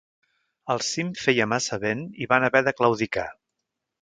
Al cim feia massa vent i van haver de claudicar.